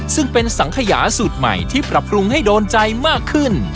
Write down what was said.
ซึ่งเป็นสังขยาสูตรใหม่ที่ปรับปรุงให้โดนใจมากขึ้น